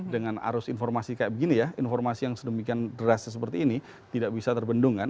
dengan arus informasi kayak begini ya informasi yang sedemikian deras seperti ini tidak bisa terbendung kan